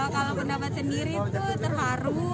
kalau pendapat sendiri itu terharu